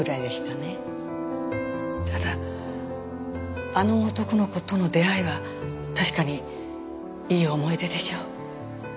ただあの男の子との出会いは確かにいい思い出でしょう。